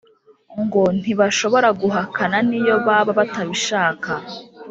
ngo ntibashobora guhakana n’iyo baba batabishaka.